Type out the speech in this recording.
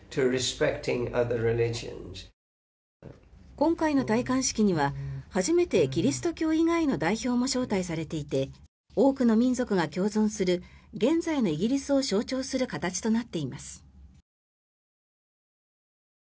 今回の戴冠式には初めてキリスト教以外の代表も招待されていて多くの民族が共存する現在のイギリスを象徴する形となっています。